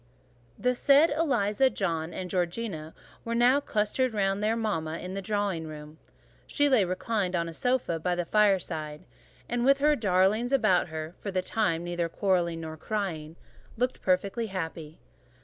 The said Eliza, John, and Georgiana were now clustered round their mama in the drawing room: she lay reclined on a sofa by the fireside, and with her darlings about her (for the time neither quarrelling nor crying) looked perfectly happy.